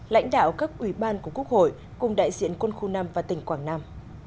lãnh đạo các ủy ban của quốc hội cùng đại diện quân khu năm và tỉnh quảng nam